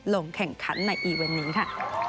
ลงแข่งขันในอีเวนต์นี้ค่ะ